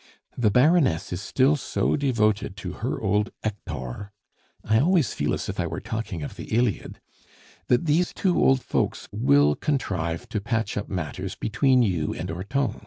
The Baroness is still so devoted to her old Hector I always feel as if I were talking of the Iliad that these two old folks will contrive to patch up matters between you and Hortense.